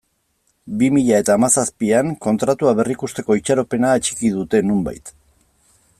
Bi mila eta hamazazpian Kontratua berrikusteko itxaropena atxiki dute, nonbait.